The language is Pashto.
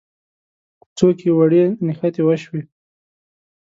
کوڅو کې وړې نښتې وشوې.